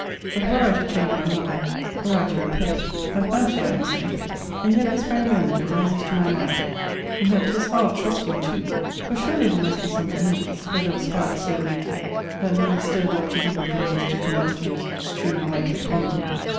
But, were I to change my mind, were I to repent, I fancy I am safe. And yet this very moment it rises to my mind, that 'tis hard trusting too; for surely there must be some embers, where there was fire so lately, that may be stirred up to give a blaze to combustibles strewed lightly upon them.